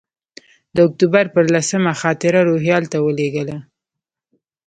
د اکتوبر پر لسمه خاطره روهیال ته ولېږله.